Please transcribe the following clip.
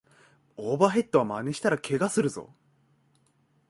オーバーヘッドはまねしたらケガするぞ